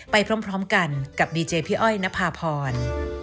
ไปพร้อมกันกับดีเจพี่อ้อยนภาพร